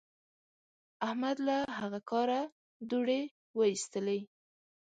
احمد له هغه کاره دوړې واېستلې.